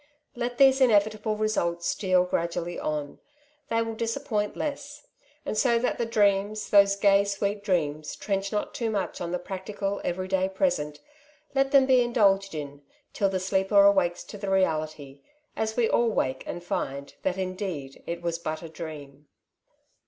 Let these inevitable results steal gradually on ; they wiH dis appoint less; and so that the dreauMT, those gay, sweet dreams, trench not too much on the practical every day present, let them be indulged in, till the sleeper awakes to the reality, as we all awake and find that indeed it was but a dream.